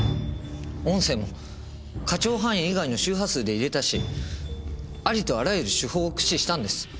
音声も可聴範囲以外の周波数で入れたしありとあらゆる手法を駆使したんです。